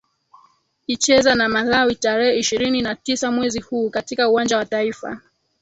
icheza na malawi tarehe ishirini na tisa mwezi huu katika uwanja wa taifa